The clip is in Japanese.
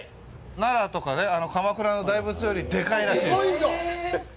奈良とか鎌倉の大仏よりでかいらしいです。